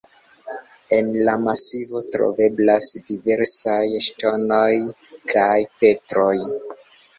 En la masivo troveblas diversaj ŝtonoj kaj petroj.